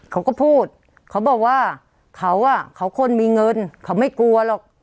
เขาก็พูดเขาบอกว่าเขาอ่ะเขาคนมีเงินเขาไม่กลัวหรอก